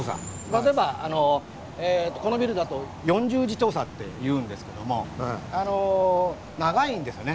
例えばこのビルだと「４０次調査」と言うんですけども長いんですよね